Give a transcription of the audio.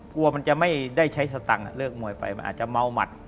กลัวมันจะไม่ได้ใช้สตังค์เลิกมวยไปมันอาจจะเมาหมัด